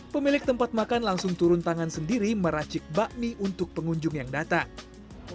pemilik tempat makan langsung turun tangan sendiri meracik bakmi untuk pengunjung yang datang